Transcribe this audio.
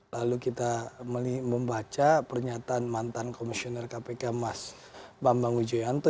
lalu kita membaca pernyataan mantan komisioner kpk mas bambang wijoyanto